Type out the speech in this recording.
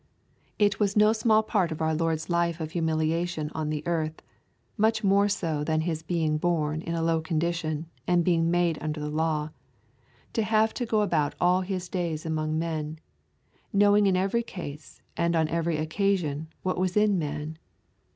It was no small part of our Lord's life of humiliation on the earth, much more so than His being born in a low condition and being made under the law, to have to go about all His days among men, knowing in every case and on every occasion what was in man.